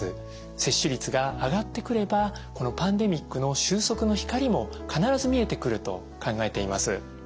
接種率が上がってくればこのパンデミックの終息の光も必ず見えてくると考えています。